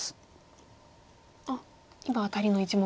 あっ今アタリの１目。